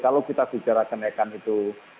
kalau kita bicara kenaikan itu